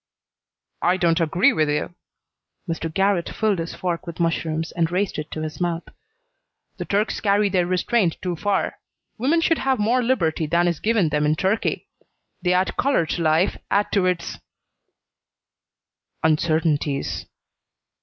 "I don't agree with you." Mr. Garrott filled his fork with mushrooms and raised it to his mouth. "The Turks carry their restraint too far. Women should have more liberty than is given them in Turkey. They add color to life, add to its " "Uncertainties."